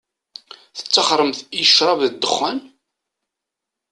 Tettaxxṛemt i ccṛab d dexxan?